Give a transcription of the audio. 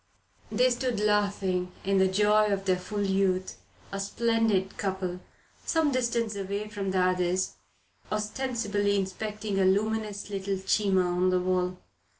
They stood laughing in the joy of their full youth, a splendid couple, some distance away from the others, ostensibly inspecting a luminous little Cima on the wall.